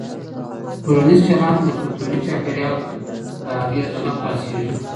ټولنیز چلند د کلتوري چاپېریال له اغېزه نه خلاصېږي.